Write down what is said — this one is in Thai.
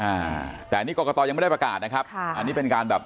อ่าแต่อันนี้กรกตยังไม่ได้ประกาศนะครับค่ะอันนี้เป็นการแบบ